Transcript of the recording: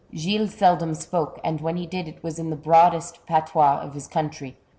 Gilles seldom spoke, and when he did it was in the broadest patois of his country.